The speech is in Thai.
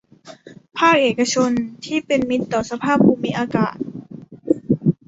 ภาคเอกชนที่เป็นมิตรต่อสภาพภูมิอากาศ